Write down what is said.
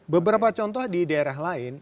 beberapa contoh di daerah lain